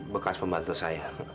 bekas pembantu saya